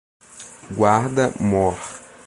Guarda-Mor